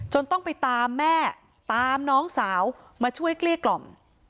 ต้องไปตามแม่ตามน้องสาวมาช่วยเกลี้ยกล่อม